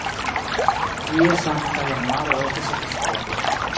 Tie Sankta Januaro estis episkopo.